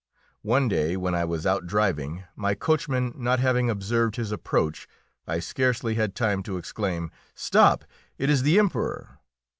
One day when I was out driving, my coachman not having observed his approach, I scarcely had time to exclaim: "Stop! it is the Emperor!"